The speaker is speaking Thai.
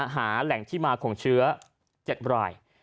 หาแหล่งที่มาของเชื้อ๗ราย